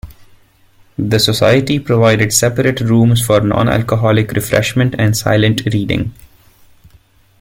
The society provided separate rooms for non-alcoholic refreshment and silent reading.